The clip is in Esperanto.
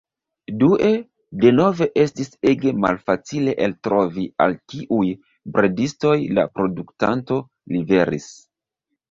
Due, denove estis ege malfacile eltrovi al kiuj bredistoj la produktanto liveris.